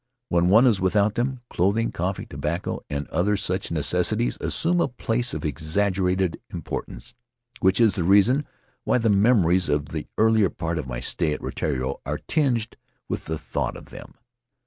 'When one is without them, clothing, coffee, tobacco, and other such necessities assume a place of exaggerated importance, which is the reason why the memories of the earlier part of my stay at Rutiaro are tinged with the thought of them.